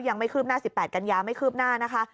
ยังไม่คืบหน้า๑๘กันยาไม่คืบหน้านะคะ